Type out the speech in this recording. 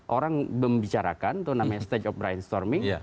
orang membicarakan itu namanya stage of brainstorming